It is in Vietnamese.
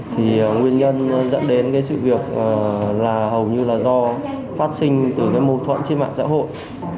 thì nguyên nhân dẫn đến cái sự việc là hầu như là do phát sinh từ cái mâu thuẫn trên mạng xã hội